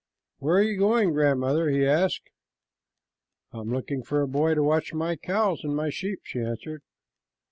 "Where are you going, grandmother?" he asked. "I am looking for a boy to watch my cows and my sheep," she answered.